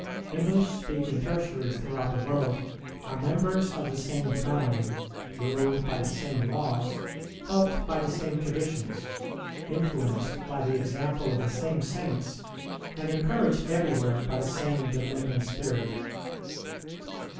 English speaking Tertiaries throughout the world are members of the same family, ruled by the same laws, helped by the same traditions, influenced by the example of the same saints, and encouraged everywhere by the same Dominican spirit.